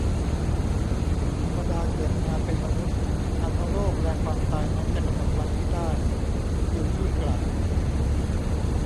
ธรรมดาเกิดมาเป็นมนุษย์ อันโรคแลความตายนั้นจะกำหนดวันมิได้ จิวยี่กล่าว